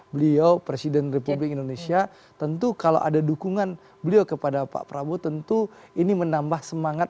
beliau presiden republik indonesia tentu kalau ada dukungan beliau kepada pak prabowo tentu ini menambah semangat